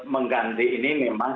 mengganti ini memang